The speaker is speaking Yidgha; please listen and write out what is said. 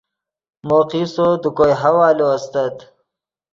مو قصو دے کوئے حوالو استت